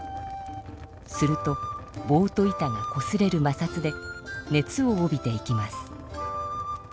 するとぼうと板がこすれるまさつで熱を帯びていきます。